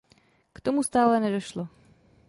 K tomu stále nedošlo.